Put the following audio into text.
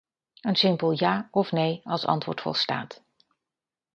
Een simpel 'ja' of 'nee' als antwoord volstaat.